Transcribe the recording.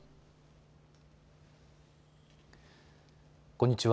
こんにちは。